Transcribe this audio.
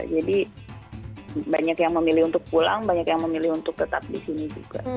jadi banyak yang memilih untuk pulang banyak yang memilih untuk tetap di sini juga